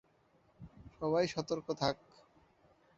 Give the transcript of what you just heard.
সবাই সতর্ক থাক।